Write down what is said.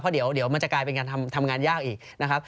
เดี๋ยวมันจะกลายเป็นการทำงานยากอีกนะครับ